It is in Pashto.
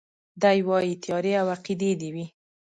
دی وايي تيارې او عقيدې دي وي